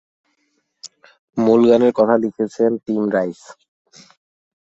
মূল গানের কথা লিখেছেন টিম রাইস।